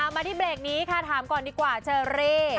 มาที่เบรกนี้ค่ะถามก่อนดีกว่าเชอรี่